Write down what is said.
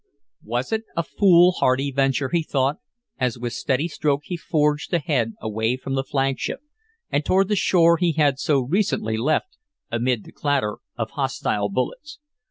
Was it a foolhardy venture, he thought, as with steady stroke he forged ahead away from the flagship, and toward the shore he had so recently left amid the clatter of hostile bullets.